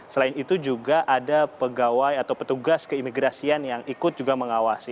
selain itu juga ada pegawai atau petugas keimigrasian yang ikut juga mengawasi